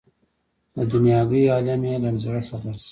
د دنیاګۍ عالم یې له زړه خبر شي.